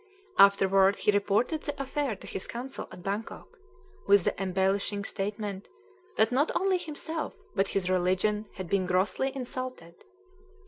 Afterward he reported the affair to his consul at Bangkok, with the embellishing statement that not only himself, but his religion, had been grossly insulted.